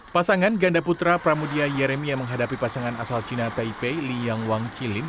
pasangan ganda putra pramudia yeremia menghadapi pasangan asal china taipei li yangwang chilin